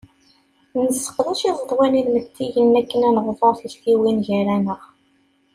Nesseqdac iẓeḍwan inmettiyen akken ad nebḍu tiktiwin gar-aneɣ.